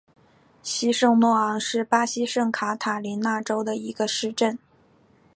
西圣若昂是巴西圣卡塔琳娜州的一个市镇。